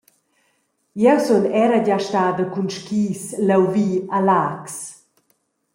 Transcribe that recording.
Jeu sun era gia stada cun skis leuvi a Laax.